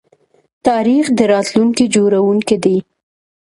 تاریخ د راتلونکي جوړونکی دی.